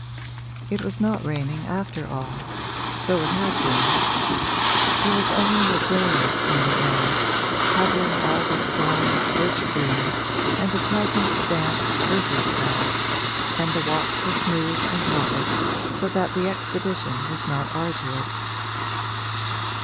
It was not raining after all, though it had been; there was only a grayness in the air, covering all the strong, rich green, and a pleasant damp, earthy smell, and the walks were smooth and hard, so that the expedition was not arduous.